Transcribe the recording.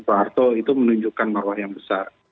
soeharto itu menunjukkan marwah yang besar